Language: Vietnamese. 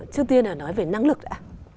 trước tiên là nói về năng lực đã